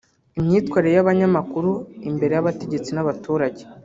imyitwarire y’abanyamakuru imbere y’abategetsi n’abaturage